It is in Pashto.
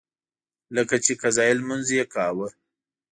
لکه چې قضایي لمونځ یې کاوه.